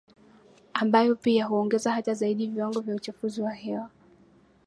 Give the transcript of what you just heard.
ambayo pia huongeza hata zaidi viwango vya uchafuzi wa hewa